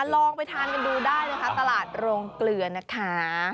ลองไปทานกันดูได้นะคะตลาดโรงเกลือนะคะ